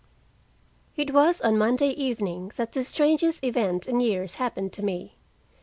It was on Monday evening that the strangest event in years happened to me.